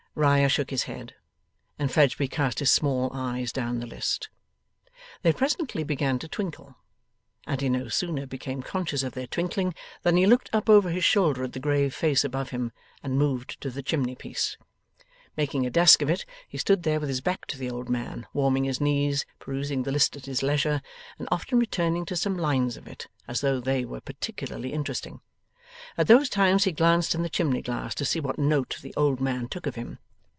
Riah shook his head, and Fledgeby cast his small eyes down the list. They presently began to twinkle, and he no sooner became conscious of their twinkling, than he looked up over his shoulder at the grave face above him, and moved to the chimney piece. Making a desk of it, he stood there with his back to the old man, warming his knees, perusing the list at his leisure, and often returning to some lines of it, as though they were particularly interesting. At those times he glanced in the chimney glass to see what note the old man took of him.